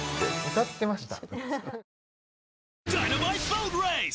歌ってました